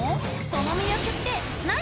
その魅力って何？